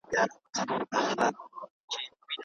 خلګ د پخوا په پرتله ویښ سوي وو.